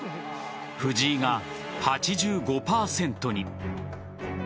藤井が８５％に。